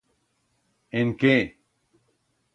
En qué?